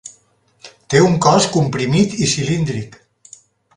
Té un cos comprimit i cilíndric.